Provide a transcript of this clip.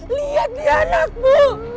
lihat dia anakmu